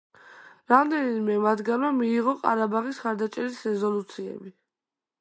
რამდენიმე მათგანმა მიიღო ყარაბაღის მხარდაჭერის რეზოლუციები.